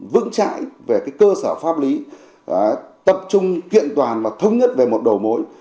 vững trái về cơ sở pháp lý tập trung kiện toàn và thống nhất về một đầu mối